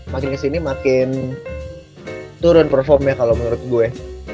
makin kesini makin turun performnya kalo menurut gue